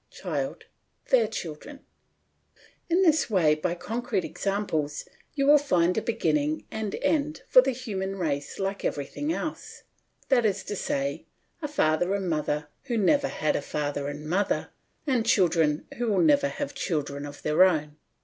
CHILD: Their children. In this way, by concrete examples, you will find a beginning and end for the human race like everything else that is to say, a father and mother who never had a father and mother, and children who will never have children of their own.